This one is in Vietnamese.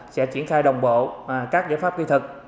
sẽ triển khai đồng bộ các giải pháp kỹ thuật